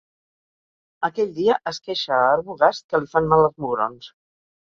Aquell dia, es queixa a Arbogast que li fan mal els mugrons.